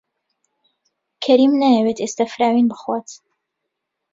کەریم نایەوێت ئێستا فراوین بخوات.